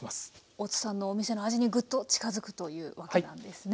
大津さんのお店の味にグッと近づくというわけなんですね。